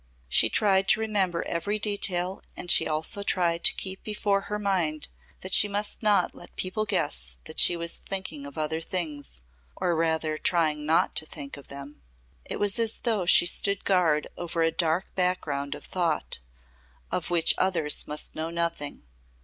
She tried to remember every detail and she also tried to keep before her mind that she must not let people guess that she was thinking of other things or rather trying not to think of them. It was as though she stood guard over a dark background of thought, of which others must know nothing.